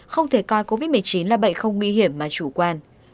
không thể coi covid một mươi chín là bệnh không nguy hiểm mà chủ quan